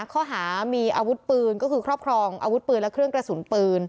ข้อหามีอาวุธปืนก็คือครอบครองอาวุธปืนและเครื่องกระสุนปืน